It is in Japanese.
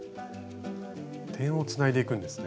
点をつないでいくんですね。